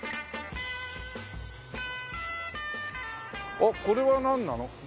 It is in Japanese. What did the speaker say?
あっこれはなんなの？